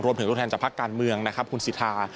รวมถึงรูปแทนจากภาคการเมืองคุณสิทธา